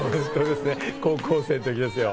高校生のときですよ。